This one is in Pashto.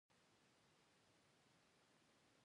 د کانالونو جوړول ځمکې خړوبوي.